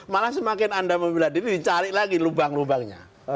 malah semakin anda membela diri dicari lagi lubang lubangnya